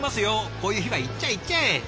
こういう日はいっちゃえいっちゃえ！